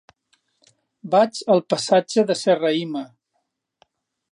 Vaig al passatge de Serrahima.